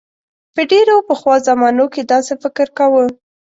په ډیرو پخوا زمانو کې داسې فکر کاؤ.